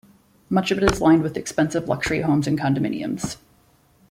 Much of it is lined with expensive luxury homes and condominiums.